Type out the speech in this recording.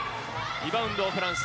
リバウンド、フランス。